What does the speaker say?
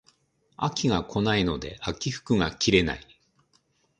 秋が来ないので秋服が着れない